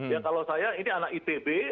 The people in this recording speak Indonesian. ya kalau saya ini anak itb